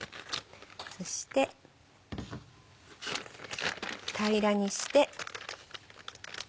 そして平らにして。